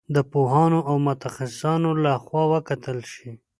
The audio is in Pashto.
د پوهانو او متخصصانو له خوا وکتل شي.